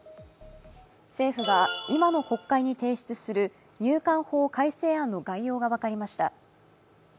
政府が今の国会に提出する入管法改正案の概要が分かりました。